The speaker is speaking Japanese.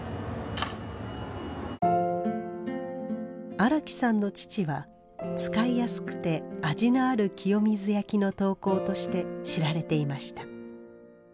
荒木さんの父は使いやすくて味のある清水焼の陶工として知られていました。